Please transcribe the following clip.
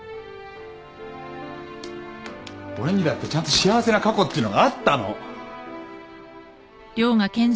俺にだってちゃんと幸せな過去っていうのがあったの！